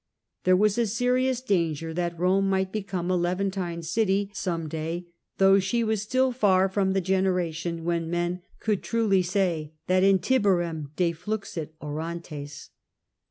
There was a serious danger that Rome might become a Levantine city some day, though she was still far from the generation when men could truly say that in Tiberim defluxit Orontes.